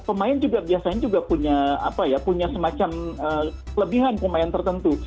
pemain juga biasanya juga punya semacam kelebihan pemain tertentu